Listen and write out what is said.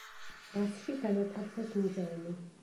მასში განათავსეს მუზეუმი.